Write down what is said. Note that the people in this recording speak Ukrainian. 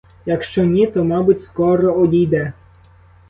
Якщо ні, то, мабуть, скоро оді йде.